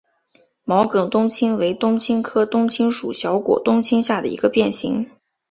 毛梗冬青为冬青科冬青属小果冬青下的一个变型。